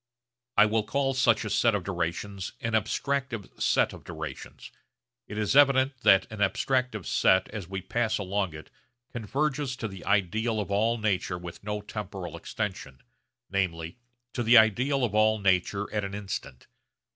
I will call such a set of durations an 'abstractive set' of durations. It is evident that an abstractive set as we pass along it converges to the ideal of all nature with no temporal extension, namely, to the ideal of all nature at an instant.